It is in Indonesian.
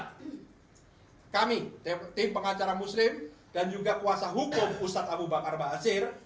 dan kami tim pengacara muslim dan juga kuasa hukum ustadz abu bakar basir